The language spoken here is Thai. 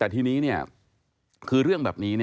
แต่ทีนี้คือเรื่องแบบนี้